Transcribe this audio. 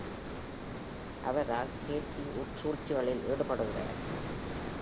அவரால், கேத்தி உட்சூழ்ச்சிகளில் ஈடுபடுகிறார்.